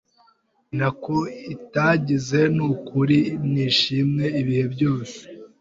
ntako itagize nukuri nishimwe ibihe byose